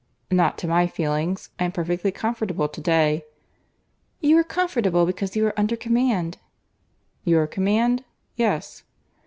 "Not to my feelings. I am perfectly comfortable to day." "You are comfortable because you are under command." "Your command?—Yes."